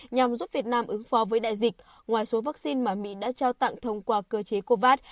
nhằm giúp việt nam ứng phó với đại dịch ngoài số vaccine mà mỹ đã trao tặng thông qua cơ chế covax